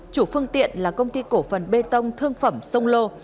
chủ phương tiện là công ty cổ phần bê tông thương phẩm sông lô